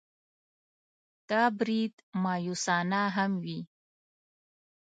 دا برید مأیوسانه هم وي.